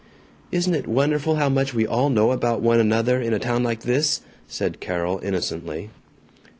"Isn't it wonderful how much we all know about one another in a town like this," said Carol innocently.